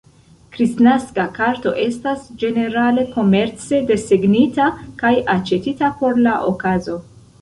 Kristnaska karto estas ĝenerale komerce desegnita kaj aĉetita por la okazo.